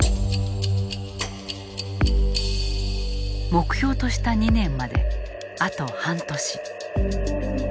目標とした２年まであと半年。